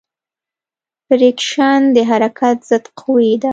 فریکشن د حرکت ضد قوې ده.